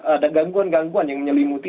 ada gangguan gangguan yang menyelimuti